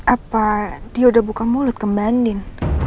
apa dia udah buka mulut ke bandin